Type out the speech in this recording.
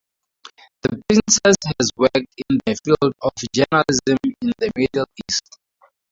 The Princess has worked in the field of journalism in the Middle East.